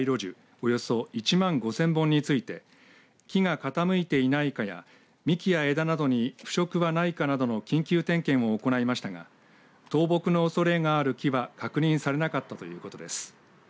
およそ１万５０００本について木が傾いていないかや幹や枝などに腐食はないかなども緊急点検を行いましたが倒木のおそれがある木は確認されなかったということです。